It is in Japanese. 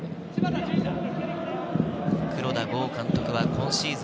黒田剛監督は今シーズン